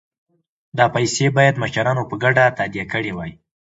دا پیسې باید مشرانو په ګډه تادیه کړي وای.